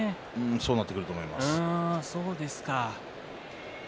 そうなってくると思います。